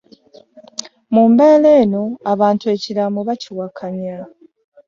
Mu mbeera eno, abantu ekiraamo bakiwakanya.